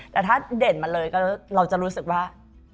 แต่ถ้าเด่นมาเลยก็เราจะรู้สึกว่า